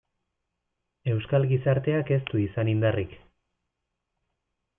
Euskal gizarteak ez du izan indarrik.